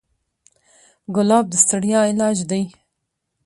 ګلاب د ستړیا علاج دی.